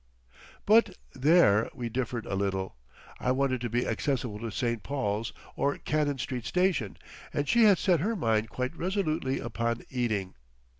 But there we differed a little. I wanted to be accessible to St. Paul's or Cannon Street Station, and she had set her mind quite resolutely upon Ealing....